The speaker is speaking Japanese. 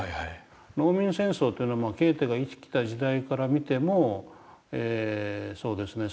農民戦争っていうのはケーテが生きてた時代から見てもそうですね３００年。